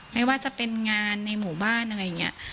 ไม่ว่าจะเป็นงานในหมู่บ้านอะไรอย่างนี้